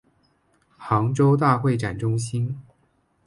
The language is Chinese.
杭州大会展中心